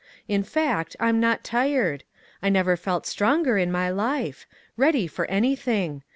In fact I'm not tired. I never felt stronger in my life. Ready for anything.